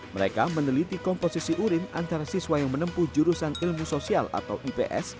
mereka meneliti komposisi urin antara siswa yang menempuh jurusan ilmu sosial atau ips